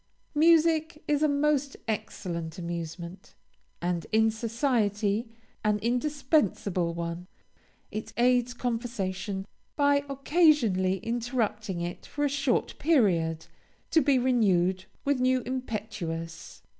Music is a most excellent amusement, and, in society, an indispensable one. It aids conversation by occasionally interrupting it for a short period, to be renewed with a new impetus.